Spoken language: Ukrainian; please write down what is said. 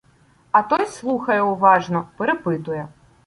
А той слухає уважно, перепитує.